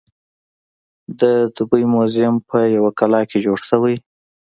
د دوبۍ موزیم په یوه کلا کې جوړ شوی.